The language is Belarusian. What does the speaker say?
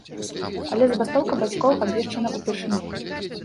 Але забастоўка бацькоў абвешчана ўпершыню.